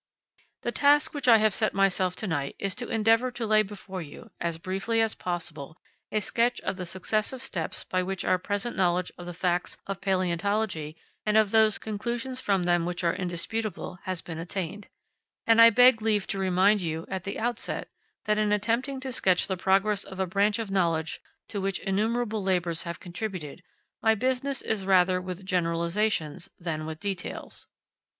The task which I have set myself to night is to endeavour to lay before you, as briefly as possible, a sketch of the successive steps by which our present knowledge of the facts of palaeontology and of those conclusions from them which are indisputable, has been attained; and I beg leave to remind you, at the outset, that in attempting to sketch the progress of a branch of knowledge to which innumerable labours have contributed, my business is rather with generalisations than with details.